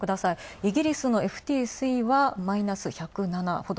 イギリスのＦＴＳＥはマイナス１０７ほど。